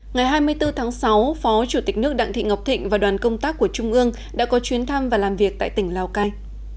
ngày hai mươi bốn tháng sáu phó chủ tịch nước đặng thị ngọc thịnh và đoàn công tác của trung ương đã có chuyến thăm và làm việc tại tỉnh lào cai